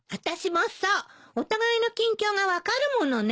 お互いの近況が分かるものね。